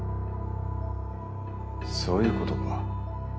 そういうことか。